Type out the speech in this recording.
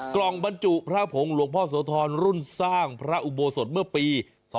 กล่องบรรจุพระผงหลวงพ่อโสธรรุ่นสร้างพระอุโบสถเมื่อปี๒๕๖